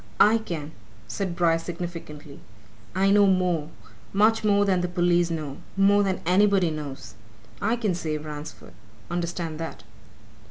"I can!" said Bryce significantly. "I know more much more than the police know more than anybody knows. I can save Ransford. Understand that!"